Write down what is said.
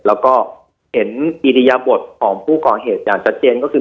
แล้วก็เห็นอิริยบทของผู้ก่อเหตุอย่างชัดเจนก็คือ